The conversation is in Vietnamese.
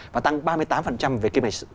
và tăng ba mươi tám về kiếm hành sự